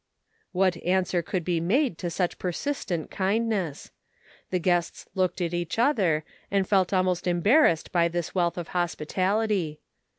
What answer could be made to such persis tent kindness ! The gitests looked at each other, and felt almost embarrassed by this wealth of hospitality.